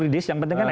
itu yang membuat